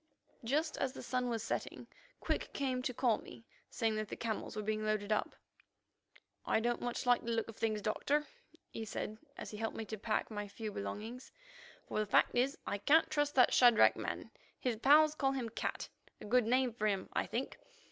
Just as the sun was setting, Quick came to call me, saying that the camels were being loaded up. "I don't much like the look of things, Doctor," he said as he helped me to pack my few belongings, "for the fact is I can't trust that Shadrach man. His pals call him 'Cat,' a good name for him, I think.